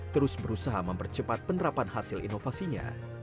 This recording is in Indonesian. terus berusaha mempercepat penerapan hasil inovasinya